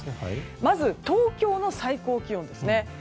まず東京の最高気温ですね。